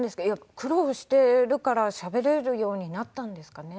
苦労してるからしゃべれるようになったんですかね。